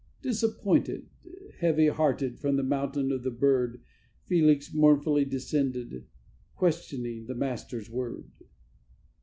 Disappointed, heavy hearted, from the Mountain of the Bird Felix mournfully descended, questioning the Master's word.